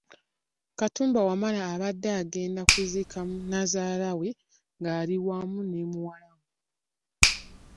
Katumba Wamala abadde agenda kuziika Nnazaala we ng’ali wamu ne muwala we.